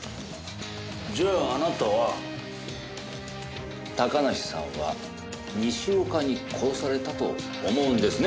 じゃああなたは高梨さんは西岡に殺されたと思うんですね？